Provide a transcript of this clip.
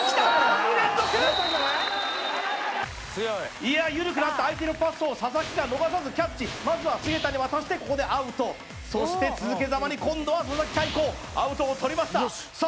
２連続緩くなった相手のパスを佐々木が逃さずキャッチまずは菅田に渡してここでアウトそして続けざまに今度は佐々木大光アウトを取りましたさあ